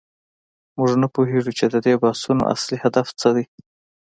موږ نه پوهیږو چې د دې بحثونو اصلي هدف څه دی.